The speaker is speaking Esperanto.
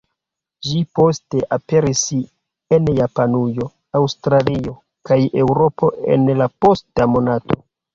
Ĝi poste aperis en Japanujo, Aŭstralio kaj Eŭropo en la posta monato.